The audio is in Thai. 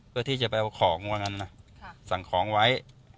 เพื่อที่จะไปเอาของก่อนสั่งของไว้